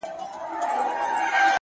• نه دي زما مستي په یاد نه دي یادېږم,